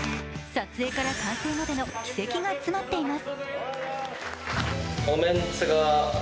撮影から完成までの奇蹟が詰まっています。